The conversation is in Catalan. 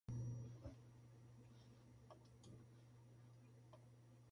Qui és amo de l'ase, que li posi el bast.